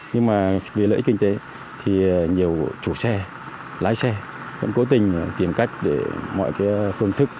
nhưng mà vì lợi ích kinh tế thì nhiều chủ xe lái xe vẫn cố tình tìm cách để mọi cái phương thức